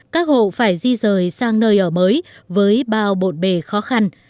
các hộ phải di rời sang nơi ở mới với bao bộn bề khó khăn